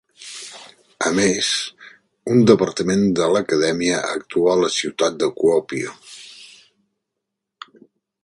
A més, un departament de l'acadèmia actua a la ciutat de Kuopio.